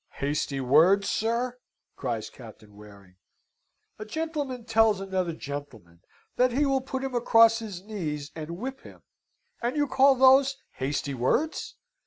"Hasty words, sir!" cries Captain Waring. "A gentleman tells another gentleman that he will put him across his knees and whip him, and you call those hasty words?